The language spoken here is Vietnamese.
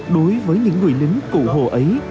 đối với những người lính cụ hồ ấy